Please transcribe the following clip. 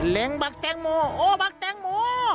บักแตงโมโอบักแตงโม